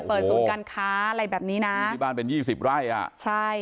เปิดศูนย์การค้าอะไรแบบนี้นะที่บ้านเป็นยี่สิบไร่อ่ะใช่